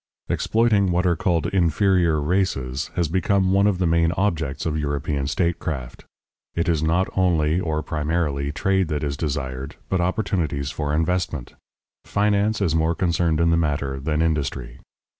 Exploiting what are called "inferior races" has become one of the main objects of European statecraft. It is not only, or primarily, trade that is desired, but opportunities for investment; finance is more concerned in the matter than industry.